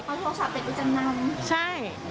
เอาโทรศัพท์ไปจำนำใช่